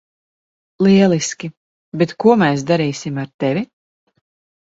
Lieliski, bet ko mēs darīsim ar tevi?